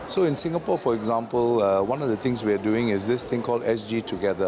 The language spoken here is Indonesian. jadi di singapura salah satu hal yang kami lakukan adalah yang disebut sg together